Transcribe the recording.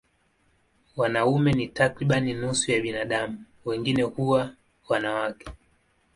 Wanaume ni takriban nusu ya binadamu, wengine huwa wanawake.